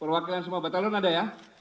perwakilan semua batalion ada ya